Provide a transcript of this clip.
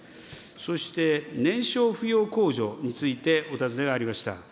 そして、年少扶養控除についてお尋ねがありました。